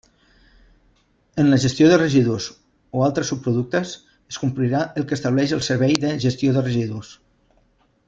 En la gestió de residus o altres subproductes es complirà el que estableix el Servei de Gestió de Residus.